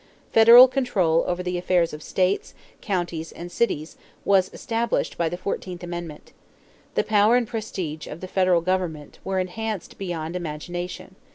Federal control over the affairs of states, counties, and cities was established by the fourteenth amendment. The power and prestige of the federal government were enhanced beyond imagination.